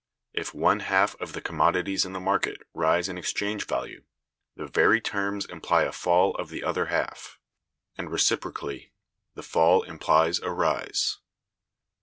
If one half of the commodities in the market rise in exchange value, the very terms imply a fall of the other half; and, reciprocally, the fall implies a rise.